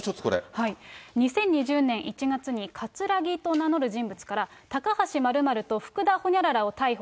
２０２０年１月に、カツラギと名乗る人物から、タカハシ○○とフクダほにゃららを逮捕。